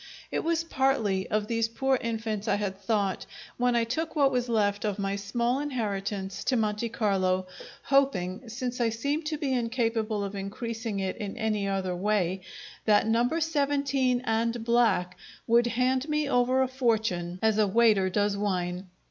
It was partly of these poor infants I had thought when I took what was left of my small inheritance to Monte Carlo, hoping, since I seemed to be incapable of increasing it in any other way, that number seventeen and black would hand me over a fortune as a waiter does wine.